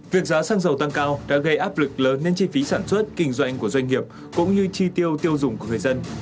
việc giá xăng dầu tăng cao đã gây áp lực lớn đến chi phí sản xuất kinh doanh của doanh nghiệp cũng như chi tiêu tiêu dùng của người dân